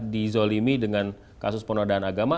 dizolimi dengan kasus penodaan agama